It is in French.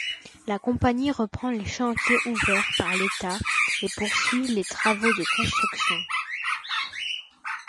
La compagnie reprend les chantiers ouverts par l'État et poursuit les travaux de construction.